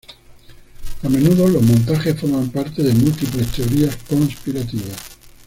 A menudo, los montajes forman parte de múltiples teorías conspirativas.